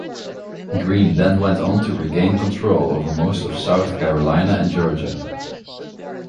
Greene then went on to regain control over most of South Carolina and Georgia.